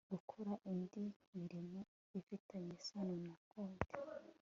gukora indi mirimo ifitanye isano na konti